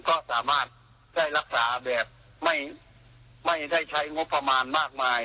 ก็สามารถได้รักษาแบบไม่ได้ใช้งบประมาณมากมาย